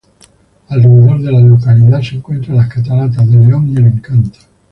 Alrededor de la localidad se encuentran las cataratas de León y El Encanto.